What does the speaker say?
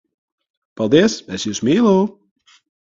Paldies! Es jūs mīlu!